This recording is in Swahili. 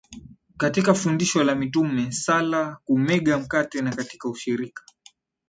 katika fundisho la mitume sala kumega mkate na katika ushirika